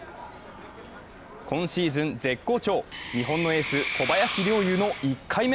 今シーズン絶好調、日本のエース、小林陵侑の１回目。